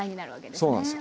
そうなんですよ。